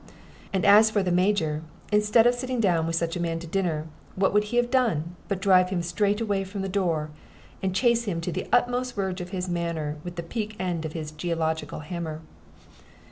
And as for the Major, instead of sitting down with such a man to dinner, what would he have done but drive him straightway from the door, and chase him to the utmost verge of his manor with the peak end of his "geological hammer?"